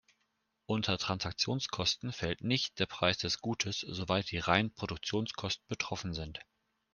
Unter Transaktionskosten fällt "nicht" der Preis des Gutes, soweit die reinen Produktionskosten betroffen sind.